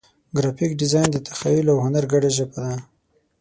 ګرافیک ډیزاین د تخیل او هنر ګډه ژبه ده.